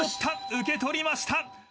受け取りました！］